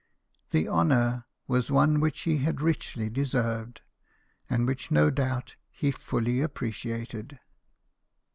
The honour was one which he had richly deserved, and which no doubt he fully appreciated.